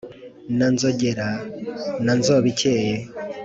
na nzogera na nzobikeye